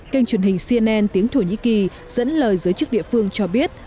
kênh truyền hình cnn tiếng thổ nhĩ kỳ dẫn lời giới chức địa phương cho biết